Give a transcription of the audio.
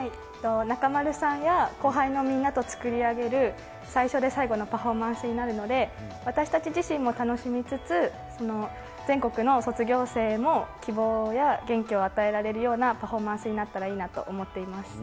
中丸さんや後輩のみんなと作り上げる最初で最後のパフォーマンスになるので、私たち自身も楽しみつつ、全国の卒業生にも希望や元気を与えられるようなパフォーマンスになるほど。